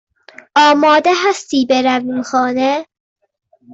آماده هستی برویم خانه؟